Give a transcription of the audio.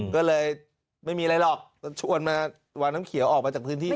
ก็เลยไม่มีอะไรหรอกชวนมาวางน้ำเขียวออกมาจากพื้นที่